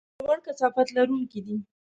د لوړ کثافت لرونکي دي.